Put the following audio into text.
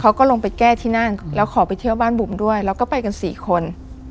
เขาก็ลงไปแก้ที่นั่นแล้วขอไปเที่ยวบ้านบุ๋มด้วยแล้วก็ไปกันสี่คน